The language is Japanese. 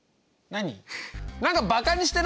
何？